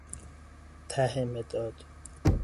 ته مداد